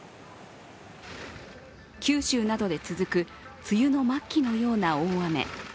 九州などで続く梅雨の末期のような大雨。